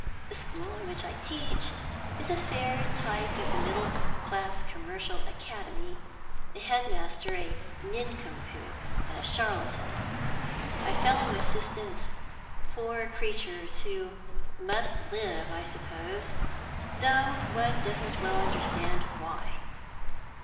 The school in which I teach is a fair type of the middle class commercial 'academy;' the headmaster a nincompoop and charlatan, my fellow assistants poor creatures, who must live, I suppose, though one doesn't well understand why.